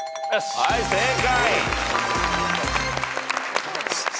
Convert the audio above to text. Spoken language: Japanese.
はい正解。